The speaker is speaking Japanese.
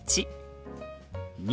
「２」。